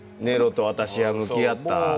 ネロと私は向き合った。